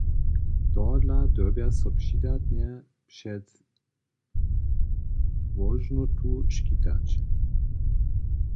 Tohodla dyrbja so přidatnje před włóžnotu škitać.